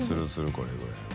これぐらいは。